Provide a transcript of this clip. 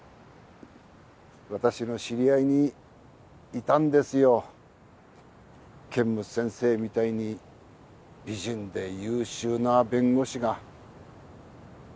私の知り合いにいたんですよ剣持先生みたいに美人で優秀な弁護士が。